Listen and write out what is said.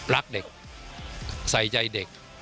รักเด็กใส่ใจเด็ก